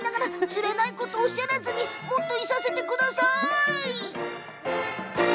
そんなことおっしゃらずにもっといさせてください！